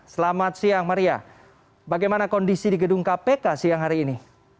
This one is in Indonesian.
selamat siang maria bagaimana kondisi di gedung kpk siang hari ini